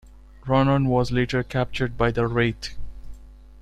Ronon was later captured by the Wraith.